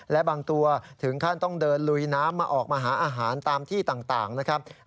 และบางตัวถึงขั้นต้องเดินลุยน้ำมาออกมาหาอาหารตามที่ต่างนะครับ